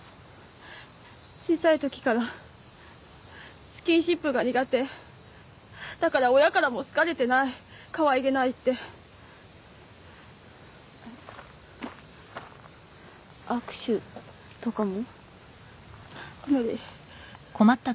小さいときからスキンシップが苦手だから親からも好かれてないかわいげ握手とかも？